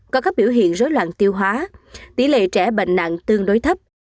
có các biểu hiện rối loạn tiêu hóa tỷ lệ trẻ bệnh nặng tương đối thấp